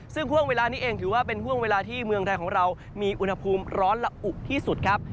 ซึ่งห่วงเวลานี้เองถือว่าเป็นห่วงเวลาที่เมืองไทยของเรามีอุณหภูมิร้อนและอุที่สุดครับ